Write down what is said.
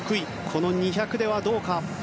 この２００ではどうか。